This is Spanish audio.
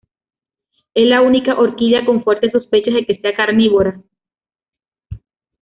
Es la única orquídea con fuertes sospechas de que sea carnívora.